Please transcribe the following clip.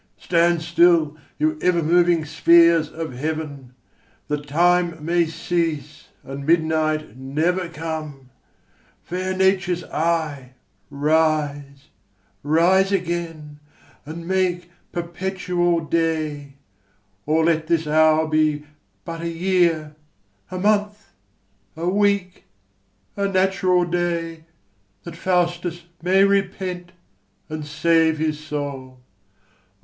Stand still, you ever moving spheres of heaven, That time may cease, and midnight never come; Fair Nature's eye, rise, rise again, and make Perpetual day; or let this hour be but A year, a month, a week, a natural day, That Faustus may repent and save his soul!